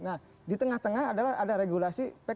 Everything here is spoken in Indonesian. nah di tengah tengah adalah ada regulasi pkpu